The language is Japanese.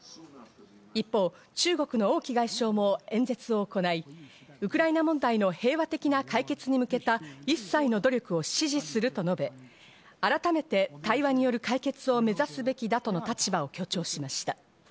一方、中国のオウ・キ外相も演説を行い、ウクライナ問題の平和的な解決に向けた一切の努力を支持すると述べ、改めて対話による解決を目指すべきだとの立場を強調しました。